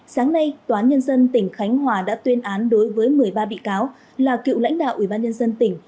sáng nay tòa án nhân dân tỉnh khánh hòa đã tuyên án đối với một mươi ba bị cáo là cựu lãnh đạo ubnd tỉnh